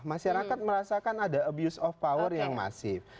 masyarakat merasakan ada abuse of power yang masif